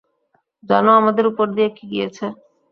জানো আমাদের ওপর দিয়ে কী গিয়েছে?